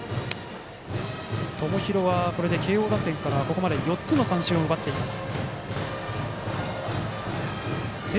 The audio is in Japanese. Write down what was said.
友廣はこれで慶応打線からここまで４つの三振を奪っています。